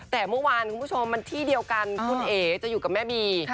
แต่เมื่อวานคุณผู้ชมมันที่เดียวกันคุณเอ๋จะอยู่กับแม่บี